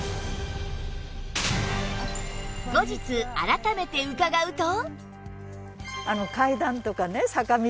後日改めて伺うと